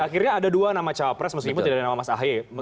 akhirnya ada dua nama cawapres meskipun tidak ada nama mas ahy